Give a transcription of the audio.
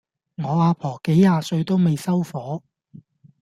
我阿婆幾廿歲都未收火